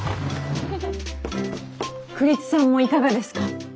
栗津さんもいかがですか？